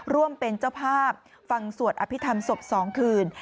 ร่วมเป็นเจ้าภาพฟังสวดอภิษฐรรมศพ๒คืน